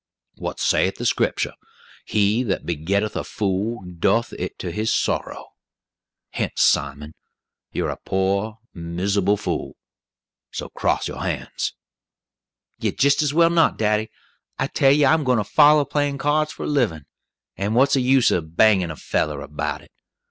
"What saith the Scriptur'? 'He that begetteth a fool, doeth it to his sorrow.' Hence, Simon, you're a poor, misubble fool, so cross your hands!" "You'd jist as well not, daddy; I tell you I'm gwine to follow playin' cards for a livin', and what's the use o' bangin' a feller about it?